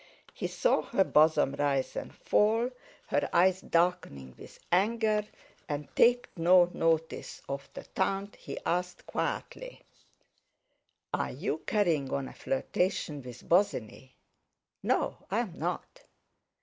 He saw her bosom rise and fall, her eyes darkening with anger, and taking no notice of the taunt, he asked quietly: "Are you carrying on a flirtation with Bosinney?" "No, I am not!"